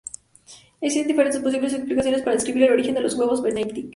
Existen diferentes posibles explicaciones para describir el origen de los huevos Benedict.